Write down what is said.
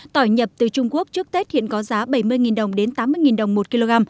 tỏi nhập từ trung quốc trước tết hiện có giá bảy mươi đồng đến tám mươi đồng một kg